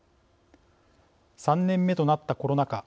３年目となったコロナ禍。